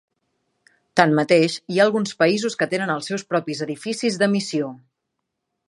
Tanmateix, hi ha alguns països que tenen els seus propis edificis de missió.